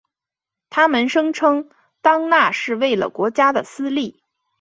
他们声称当那是为了国家的私利。